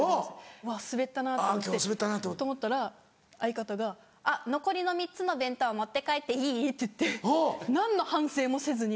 うわスベったなと思ってと思ったら相方が「あっ残りの３つの弁当持って帰っていい？」って言って何の反省もせずに。